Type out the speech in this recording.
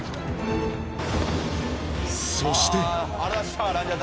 そして